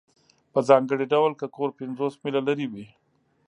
په ځانګړي ډول که کور پنځوس میله لرې وي